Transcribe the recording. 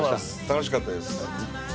楽しかったです。